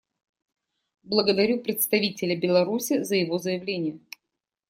Благодарю представителя Беларуси за его заявление.